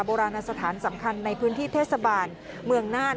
โบราณสถานสำคัญในพื้นที่เทศบาลเมืองน่าน